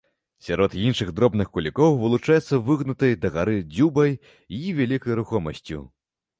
Сярод іншых дробных кулікоў вылучаецца выгнутай дагары дзюбай і вялікай рухомасцю.